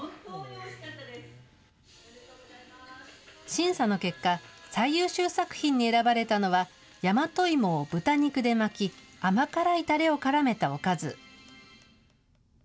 審査の結果、最優秀作品に選ばれたのは、やまといもを豚肉で巻き、甘辛いたれをからめたおかず。